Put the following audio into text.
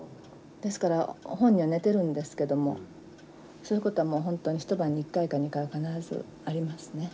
ですから本人は寝てるんですけどもそういうことはもう本当に一晩に１回か２回は必ずありますね。